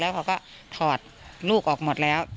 เขาก็ถอดลูกออกหมดแล้ว